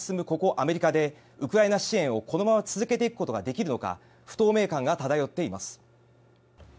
アメリカでウクライナ支援をこのまま続けていくことができるのか不透明感が漂っています。